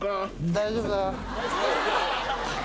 大丈夫だ。